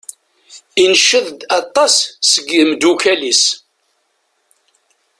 Inced-d aṭas seg yimeddukal-is.